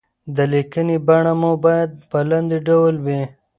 د ليکنې بڼه مو بايد په لاندې ډول وي.